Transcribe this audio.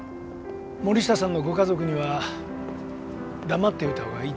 森下さんのご家族には黙っておいた方がいいと思うんだ。